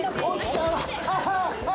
ああ！